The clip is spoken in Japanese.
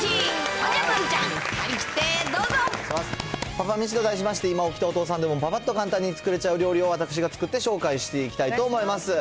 ほんじゃ丸ちゃん、パパめしと題しまして、今今起きたお父さんでもパパッと簡単に作れちゃう料理を私が作って紹介していきたいと思います。